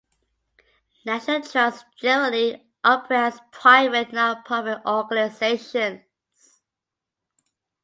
National trusts generally operate as private non-profit organizations.